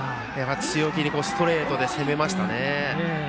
強気にストレートで攻めましたね。